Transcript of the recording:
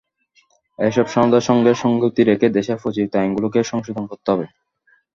এসব সনদের সঙ্গে সংগতি রেখে দেশের প্রচলিত আইনগুলোকে সংশোধন করতে হবে।